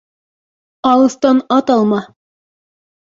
Алыҫтан ат алма